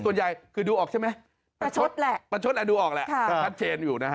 ส่วนใหญ่คือดูออกใช่ไหมประชดแหละประชดดูออกแหละชัดเจนอยู่นะฮะ